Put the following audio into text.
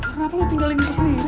kenapa lu tinggalin di sini